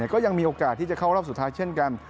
ก็ยังมีโอกาสที่จะเข้ารอบสุดท้ายเช่นกัน